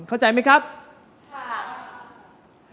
เข้าใจไหมครับค่ะ